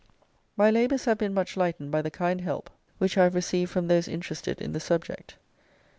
My labours have been much lightened by the kind help which I have received from those interested in the subject.